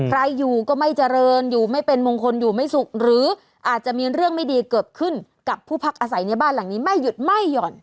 ใครอยู่ก็ไม่เจริญอยู่ไม่เป็นมงคลอยู่ไม่สุขหรืออาจจะมีเรื่องไม่ดีเกิดขึ้นกับผู้พักอาศัยในบ้านหลังนี้ไม่หยุดไม่หย่อน